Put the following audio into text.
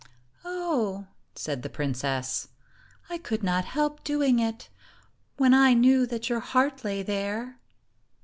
"Oh," said the princess, "I could not help doing it, when I knew that your heart lay there."